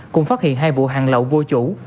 cũng phát hiện hai vụ hàng lậu vô chủ